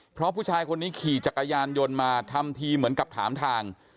เพราะผู้ชายคนนี้ขี่จักรยานยนต์มาทำทีเหมือนกับถามทาง